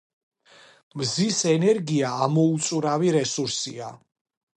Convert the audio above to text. მზის ენერგია ამოუწურავი რესურსია